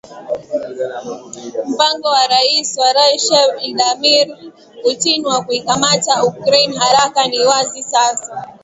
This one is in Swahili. Mpango wa Rais wa Russia Vladmir Putin wa kuikamata Ukraine haraka ni wazi sasa